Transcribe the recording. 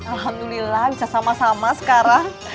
alhamdulillah bisa sama sama sekarang